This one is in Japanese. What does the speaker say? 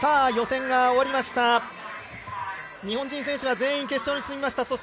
予選が終わりました、日本人選手は全員、決勝に進みました。